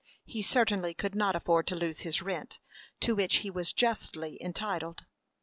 He certainly could not afford to lose his rent, to which he was justly entitled.